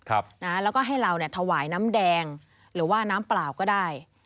แล้วก็ให้เราเนี่ยถวายน้ำแดงหรือว่าน้ำเปล่าก็ได้